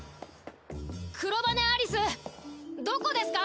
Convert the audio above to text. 黒羽アリスどこですか？